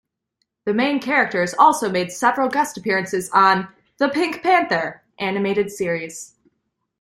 The main characters also made several guest appearances on "The Pink Panther" animated series.